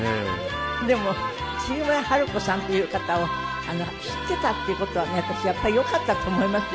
でも杉村春子さんっていう方を知っていたという事はね私よかったと思いますよ。